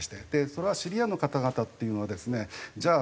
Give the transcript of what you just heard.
それはシリアの方々っていうのはですねじゃあ